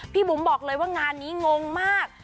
บุ๋มบอกเลยว่างานนี้งงมาก